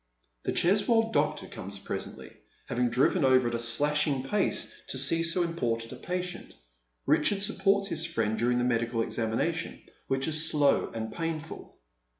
The Cheswold doctor comes presently, having driven over at a slashing pace to so important a patient. Richard supports his friend during the medical examination, which is slow and painful.